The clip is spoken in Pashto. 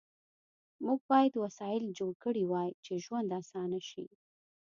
موږ باید وسایل جوړ کړي وای چې ژوند آسانه شي